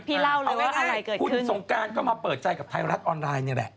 เพลียล่าวเลยว่าอะไรเกิดขึ้นเอาไว้คุณทรงการมาเปิดใจกับไทรัตออนไลน์เนี่ยแหละ